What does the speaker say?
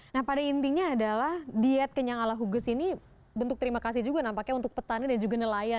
nah pada intinya adalah diet kenyang ala hugus ini bentuk terima kasih juga nampaknya untuk petani dan juga nelayan